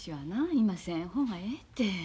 今せん方がええて。